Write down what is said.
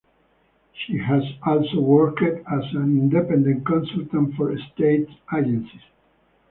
She has also worked as an independent consultant for state agencies.